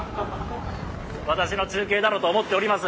私の中継だろと思っております。